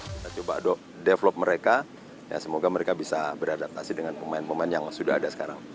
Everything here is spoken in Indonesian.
kita coba develop mereka semoga mereka bisa beradaptasi dengan pemain pemain yang sudah ada sekarang